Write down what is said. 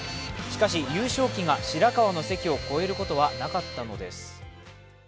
しかし、優勝旗が白河の関を越えることはなかったのです。